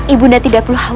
ibunda tidak perlu khawatir